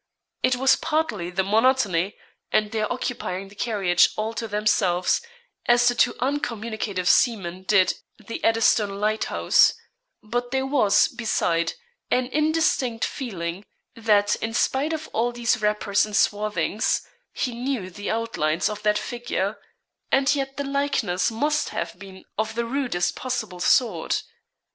It was partly the monotony and their occupying the carriage all to themselves as the two uncommunicative seamen did the Eddystone Lighthouse but there was, beside, an indistinct feeling, that, in spite of all these wrappers and swathings, he knew the outlines of that figure; and yet the likeness must have been of the rudest possible sort.